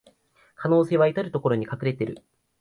可能性はいたるところに隠れてる